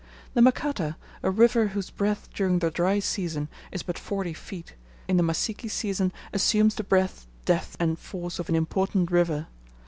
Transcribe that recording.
The Makata, a river whose breadth during the dry season is but forty feet, in the Masika season assumes the breadth, depth, and force of an important river.